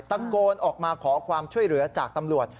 ตะโกนออกมาขอความช่วยเหลือจากตำรวจ